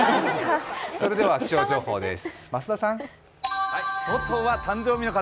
それでは気象情報です。